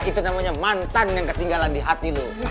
itu namanya mantan yang ketinggalan di hati lo